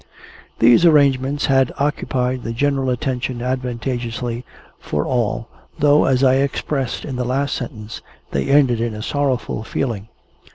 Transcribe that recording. These arrangements had occupied the general attention advantageously for all, though (as I expressed in the last sentence) they ended in a sorrowful feeling.